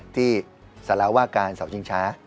ที่สลาวการสาวชิงช้า